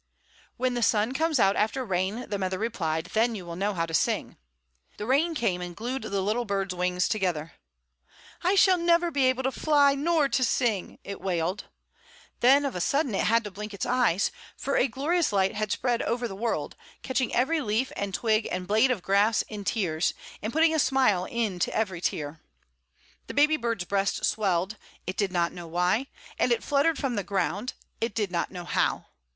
"When the sun comes out after rain," the mother replied, "then you will know how to sing." The rain came, and glued the little bird's wings together. "I shall never be able to fly nor to sing," it wailed. Then, of a sudden, it had to blink its eyes; for a glorious light had spread over the world, catching every leaf and twig and blade of grass in tears, and putting a smile into every tear. The baby bird's breast swelled, it did not know why; and it fluttered from the ground, it did not know how.